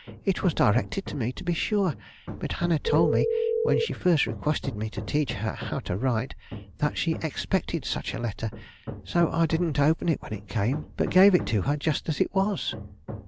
It was directed to me, to be sure; but Hannah told me, when she first requested me to teach her how to write, that she expected such a letter, so I didn't open it when it came, but gave it to her just as it was."